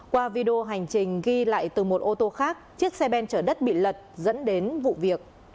qua video hành trình ghi lại từ một ô tô khác chiếc xe ben chở đất bị lật dẫn đến vụ việc